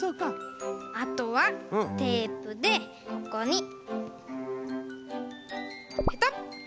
あとはテープでここにペトッ。